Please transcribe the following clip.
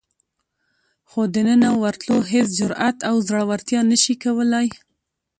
خو دننه ورتلو هېڅ جرئت او زړورتیا نشي کولای.